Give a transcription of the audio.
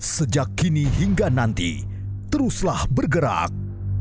sejak kini hingga nanti teruslah bergerak